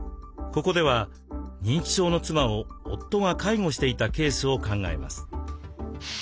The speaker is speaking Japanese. ここでは認知症の妻を夫が介護していたケースを考えます。